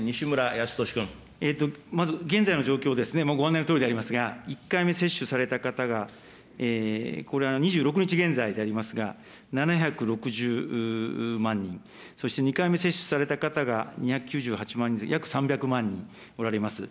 まず現在の状況ですね、もうご案内のとおりでありますが、１回目接種された方が、これは２６日現在でありますが、７６０万人、そして２回目接種された方が２９８万人で約３００万人おられます。